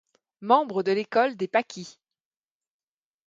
Membre de l'École des Pâquis.